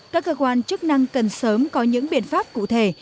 các cơ quan chức năng cần sớm có những biện pháp cụ thể